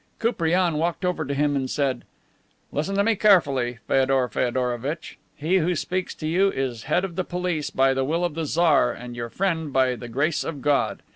Koupriane walked over to him and said: "Listen to me carefully, Feodor Feodorovitch. He who speaks to you is Head of the Police by the will of the Tsar, and your friend by the grace of God.